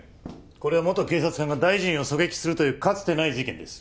これは元警察官が大臣を狙撃するというかつてない事件です。